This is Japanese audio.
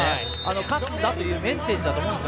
勝つんだというメッセージだと思います。